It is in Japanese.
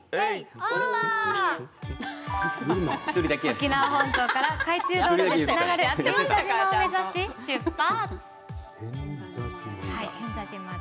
沖縄本島から海中道路でつながる平安座島を目指し出発。